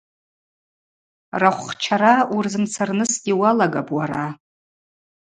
Рахвхчара уырзымцарнысгьи уалагапӏ уара.